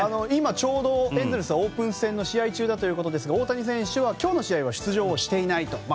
今、ちょうどエンゼルスはオープン戦の試合中だということですが大谷選手は今日の試合は出場していないと。